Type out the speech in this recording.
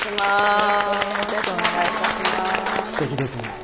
すてきですね。